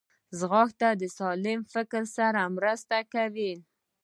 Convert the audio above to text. ځغاسته د سالم فکر سره مرسته کوي